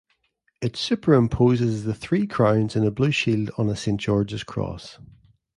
It superimposes the three crowns in a blue shield on a Saint George's cross.